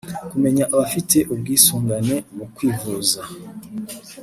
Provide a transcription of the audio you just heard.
kumenya abafite ubwisungangane mu kwivuza